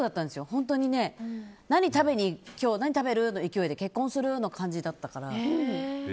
本当に今日何食べる？の勢いで結婚する！の感じだったから。